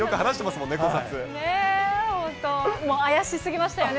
もう怪しすぎましたよね。